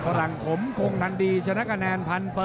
หลังขมคงทันดีชนะคะแนน๑๐๐